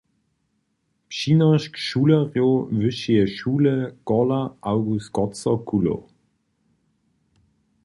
- přinošk šulerjow Wyšeje šule „Korla Awgust Kocor“ Kulow